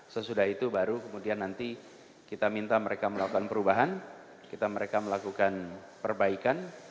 sesudah itu baru kemudian nanti kita minta mereka melakukan perubahan kita mereka melakukan perbaikan